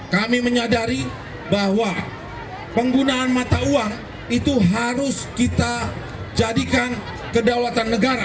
kami menyadari bahwa penggunaan mata uang itu harus kita jadikan kedaulatan negara